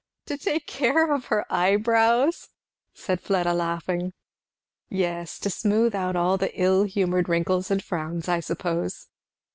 "To take care of her eyebrows?" said Fleda laughing. "Yes to smooth out all the ill humoured wrinkles and frowns, I suppose."